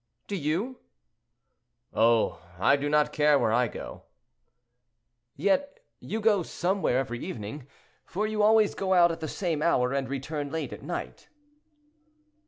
"Do you?" "Oh! I do not care where I go." "Yet you go somewhere every evening, for you always go out at the same hour and return late at night."